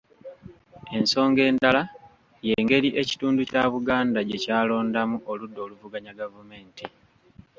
Ensonga endala, y'engeri ekitundu kya Buganda gye kyalondamu oludda oluvuganya Gavumenti